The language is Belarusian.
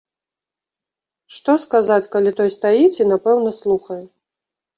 Што сказаць, калі той стаіць і, напэўна, слухае.